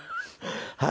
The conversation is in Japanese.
はい。